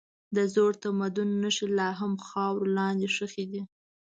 د زوړ تمدن نښې لا هم خاورو لاندې ښخي دي.